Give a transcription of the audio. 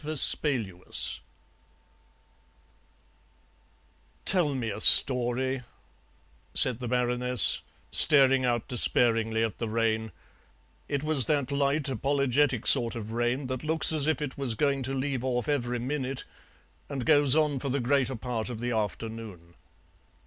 VESPALUUS "Tell me a story," said the Baroness, staring out despairingly at the rain; it was that light, apologetic sort of rain that looks as if it was going to leave off every minute and goes on for the greater part of the afternoon.